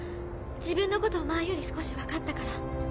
自分のこと前より少し分かったから。